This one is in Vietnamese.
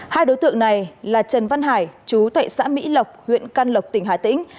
hai đối tượng này là trần văn hải chú tại xã mỹ lộc huyện can lộc tỉnh hà tĩnh